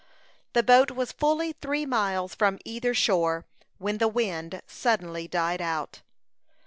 The boat was fully three miles from either shore, when the wind suddenly died out.